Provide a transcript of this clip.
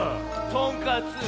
とんかつ。